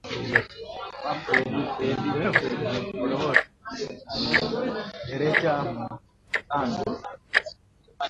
Katika taarifa iliyotolewa Jumatatu jioni na msemaji wa jeshi la Jamuhuri ya Demokrasia ya Kongo Brigedia Sylvain Ekenge